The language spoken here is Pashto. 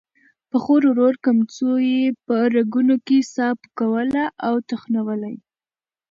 په خورو ورو کمڅو يې په رګونو کې ساه پوکوله او تخنوله.